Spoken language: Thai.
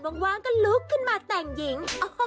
ว่างก็ลุกขึ้นมาแต่งหญิง